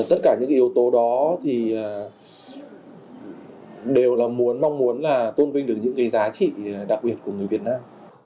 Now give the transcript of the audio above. tất cả những yếu tố đó thì đều là mong muốn là tôn vinh được những cái giá trị đặc biệt của người việt nam